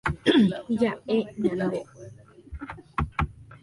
Ja'e ñande.